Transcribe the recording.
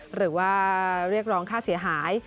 หรือว่าเรียกร้องค่าเสียหาย